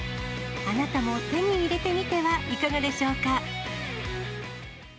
あなたも手に入れてみてはいかがでしょうか。